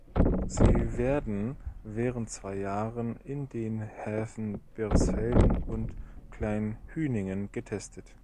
Sie werden während zwei Jahren in den Häfen Birsfelden und Kleinhüningen getestet.